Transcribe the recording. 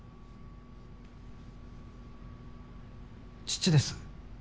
父です。